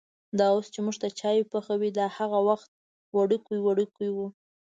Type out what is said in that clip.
دا اوس چې مونږ ته چای پخوي، دا هغه وخت وړوکی وړکی و.